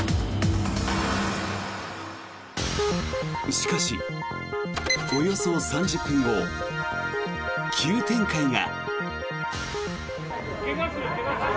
しかし、およそ３０分後急展開が。